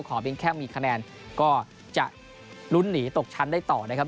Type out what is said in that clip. เพียงแค่มีคะแนนก็จะลุ้นหนีตกชั้นได้ต่อนะครับ